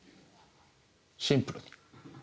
シンプルに。